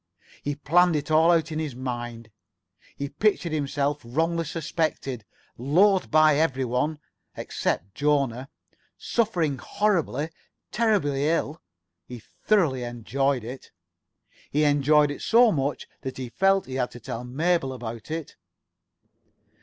He planned it all out in his mind. He pictured himself wrongly suspected, loathed by everybody (except Jona), suffering horribly, terribly ill. He thoroughly enjoyed it. He enjoyed it so much that he felt he had to tell Mabel about it.